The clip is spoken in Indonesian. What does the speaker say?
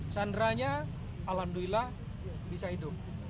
sandera nya alhamdulillah bisa hidup